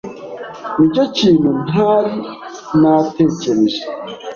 Nicyo kintu ntari natekereje.